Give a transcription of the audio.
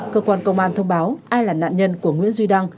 cơ quan công an thông báo ai là nạn nhân của nguyễn duy đăng